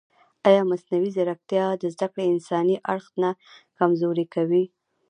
ایا مصنوعي ځیرکتیا د زده کړې انساني اړخ نه کمزوری کوي؟